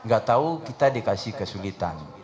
gak tahu kita dikasih kesulitan